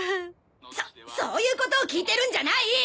そそういうことを聞いてるんじゃない！